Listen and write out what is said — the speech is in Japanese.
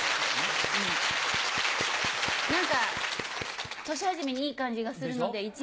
何か年始めにいい感じがするので１枚。